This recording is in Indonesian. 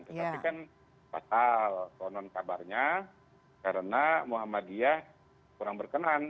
tetapi kan fatal konon kabarnya karena muhammadiyah kurang berkenan